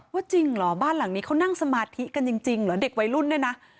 จริงเหรอบ้านหลังนี้เขานั่งสมาธิกันจริงเหรอเด็กวัยรุ่นเนี่ยนะ